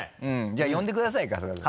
じゃあ呼んでください春日さん。